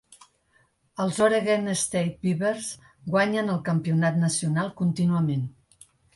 Els Oregon State Beavers guanyen el Campionat Nacional contínuament.